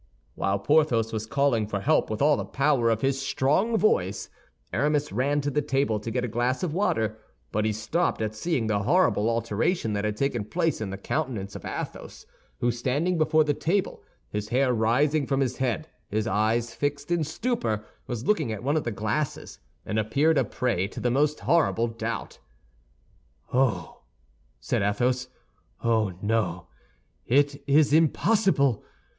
While Porthos was calling for help with all the power of his strong voice, Aramis ran to the table to get a glass of water; but he stopped at seeing the horrible alteration that had taken place in the countenance of Athos, who, standing before the table, his hair rising from his head, his eyes fixed in stupor, was looking at one of the glasses, and appeared a prey to the most horrible doubt. "Oh!" said Athos, "oh, no, it is impossible!